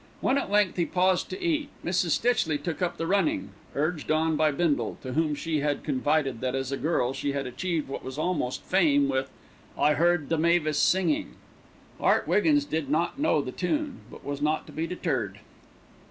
When at length he paused to eat, Mrs. Stitchley took up the running, urged on by Bindle, to whom she had confided that, as a girl, she had achieved what was almost fame with, "I Heard the Mavis Singing." Art Wiggins did not know the tune; but was not to be deterred.